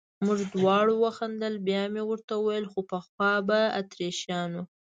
موږ دواړو وخندل، بیا مې ورته وویل: خو پخوا به اتریشیانو.